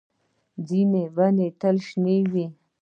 ځینې ونې تل شنې وي